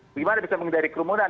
bagaimana bisa mengendalikan kerumunan